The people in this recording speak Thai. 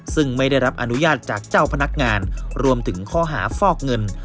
ซึ่งไม่ได้รับอนุญาตจากเจ้าพนักงานรวมถึงข้อหาฟอกเงิน